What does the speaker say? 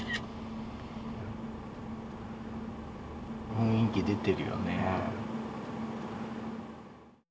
雰囲気出てるよね。